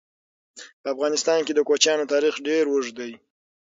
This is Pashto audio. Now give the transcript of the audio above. په افغانستان کې د کوچیانو تاریخ ډېر اوږد دی.